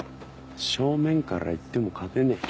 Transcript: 正面からいっても勝てねえ。